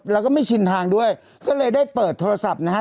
แล้วก็ไม่ชินทางด้วยก็เลยได้เปิดโทรศัพท์นะฮะ